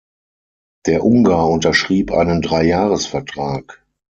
Der Ungar unterschrieb einen Dreijahresvertrag.